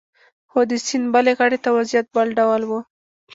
خو د سیند بلې غاړې ته وضعیت بل ډول و